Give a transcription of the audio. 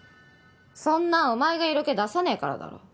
そんなんお前が色気出さねぇからだろ。